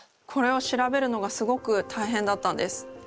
これを調べるのがすごく大変だったんです。